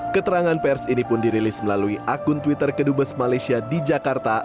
keterangan pers ini pun dirilis melalui akun twitter kedubes malaysia di jakarta